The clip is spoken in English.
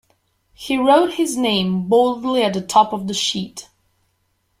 He wrote his name boldly at the top of the sheet.